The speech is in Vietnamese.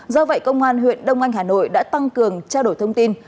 do vậy công an huyện đông anh hà nội đã tăng cường trao đổi thông tin